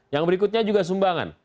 yang berikutnya juga sumbangan